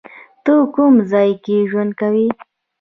ته کوم ځای کې ژوند کوی؟